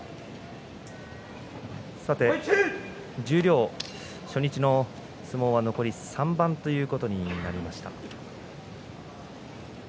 十両初日の相撲は残り３番ということになりました。